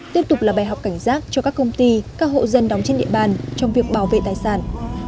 tiếp tục là bài học cảnh giác cho các công ty các hộ dân đóng trên địa bàn trong việc bảo vệ tài sản